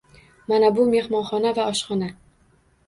Mana bu mehmonxona va oshxona.